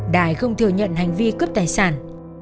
đại không thừa nhận hành vi cướp tài sản